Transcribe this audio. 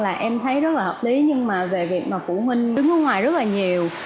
là em thấy rất là hợp lý nhưng mà về việc mà phụ huynh đứng ở ngoài rất là nhiều